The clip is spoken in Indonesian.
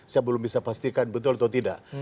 saya belum bisa pastikan betul atau tidak